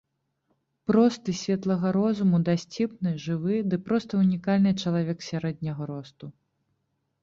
Просты, светлага розуму, дасціпны, жывы, ды проста унікальны чалавек сярэдняга росту.